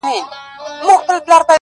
باران به اوري څوک به ځای نه درکوینه!